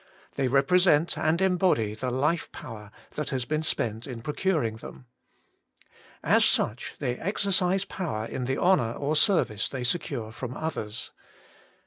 They represent and embody the life power that has been spent in procuring them. As such they exercise power in the honour or service they secure from others.